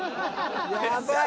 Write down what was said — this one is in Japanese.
やばい。